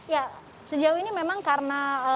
ya sejauh ini memang karena